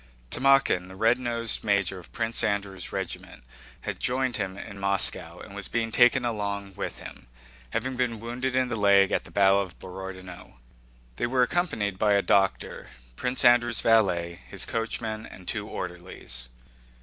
Timókhin, the red nosed major of Prince Andrew's regiment, had joined him in Moscow and was being taken along with him, having been wounded in the leg at the battle of Borodinó. They were accompanied by a doctor, Prince Andrew's valet, his coachman, and two orderlies.